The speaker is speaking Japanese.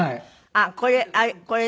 あっこれ